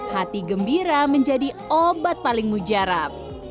hati gembira menjadi obat paling mujarab